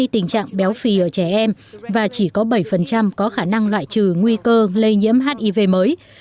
bệnh béo phì ở trẻ em và chỉ có bảy có khả năng loại trừ nguy cơ lây nhiễm hiv mới